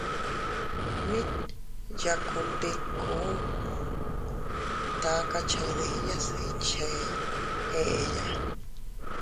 Mit yakundiku, takacha iydiyas ichey eeya.